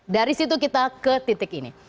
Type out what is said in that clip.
dari situ kita ke titik ini